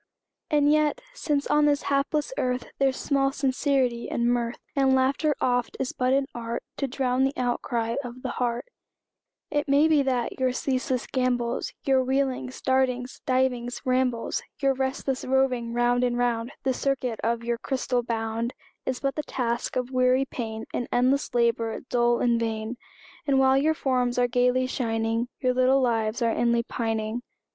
And yet, since on this hapless earth There's small sincerity in mirth, And laughter oft is but an art To drown the outcry of the heart; It may be that your ceaseless gambols, Your wheelings, dartings, divings, rambles, Your restless roving round and round, The circuit of your crystal bound Is but the task of weary pain, An endless labor, dull and vain; And while your forms are gaily shining, Your little lives are inly pining!